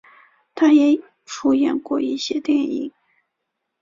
他也出演过一些电影。